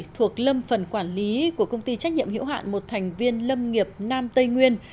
thuộc lâm phần quản lý của công ty trách nhiệm hiểu hạn một thành viên lâm nghiệp nam tây nguyên